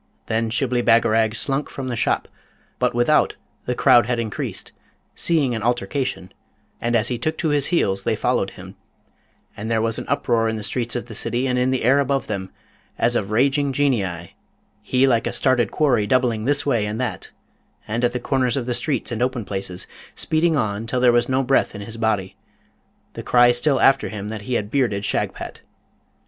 Then Shibli Bagarag slunk from the shop; but without the crowd had increased, seeing an altercation, and as he took to his heels they followed him, and there was uproar in the streets of the city and in the air above them, as of raging Genii, he like a started quarry doubling this way and that, and at the corners of streets and open places, speeding on till there was no breath in his body, the cry still after him that he had bearded Shagpat.